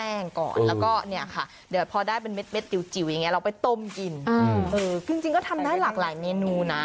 เออจริงก็ทำได้หลากหลายเมนูนะ